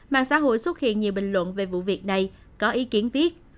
mạng xã hội xuất hiện nhiều bình luận về vụ việc này có ý kiến viết